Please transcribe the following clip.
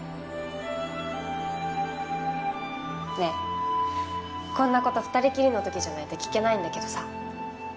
ねえこんな事２人きりの時じゃないと聞けないんだけどさ。